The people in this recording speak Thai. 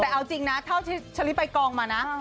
แต่เอาจริงนะเท่าที่ชะลิไปกองมานะ